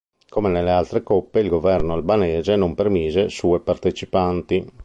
Come nelle altre coppe il governo albanese non permise sue partecipanti.